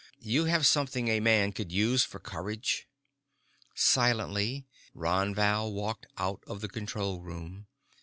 "You have something a man could use for courage." Silently, Ron Val walked out of the control room.